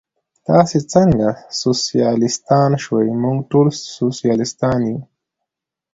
تاسې څنګه سوسیالیستان شوئ؟ موږ ټول سوسیالیستان یو.